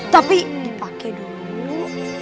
tapi dipake dulu